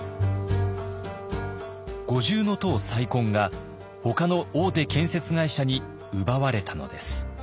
五重塔再建がほかの大手建設会社に奪われたのです。